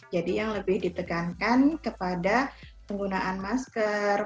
jadi yang lebih ditegankan kepada penggunaan masker